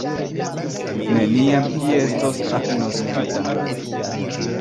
Neniam ĝi estos agnoskita.